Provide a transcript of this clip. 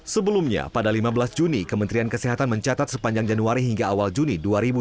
sebelumnya pada lima belas juni kementerian kesehatan mencatat sepanjang januari hingga awal juni dua ribu dua puluh